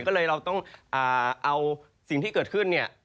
ก็เลยเราต้องเอาสิ่งที่เกิดขึ้นเนี่ย